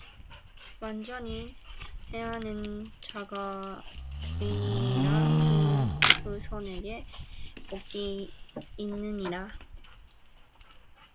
완전히 행하는 자가 의인이라 그 후손에게 복이 있느니라